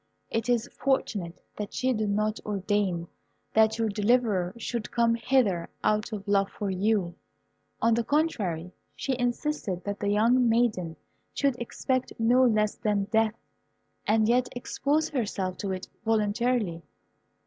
It is fortunate that she did not ordain that your deliverer should come hither out of love for you. On the contrary, she insisted that the young maiden should expect no less than death, and yet expose herself to it voluntarily.